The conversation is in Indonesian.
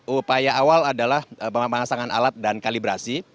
upaya awal adalah pemasangan alat dan kalibrasi